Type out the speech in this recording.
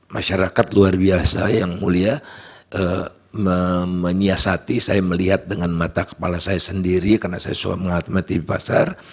masyarakat luar biasa yang mulia menyiasati saya melihat dengan mata kepala saya sendiri karena saya mengalami mati di pasar